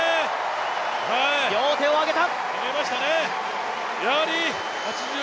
両手を挙げた。